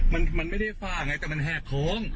มันไม่ได้ฝ้าไงแต่มันแหกโค้ง